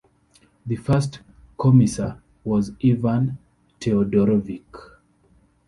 The first Commissar was Ivan Teodorovich.